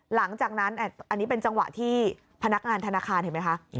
หลังจากนั้นอันนี้เป็นจังหวะที่พนักงานธนาคารเห็นไหมคะ